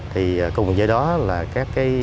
thì cùng với đó là các hoạt động